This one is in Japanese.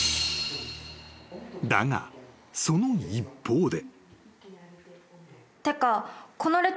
［だがその一方で］